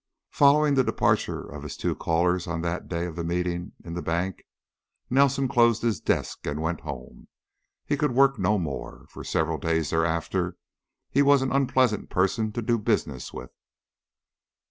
Following the departure of his two callers on that day of the meeting in the bank, Nelson closed his desk and went home. He could work no more. For several days thereafter he was an unpleasant person to do business with.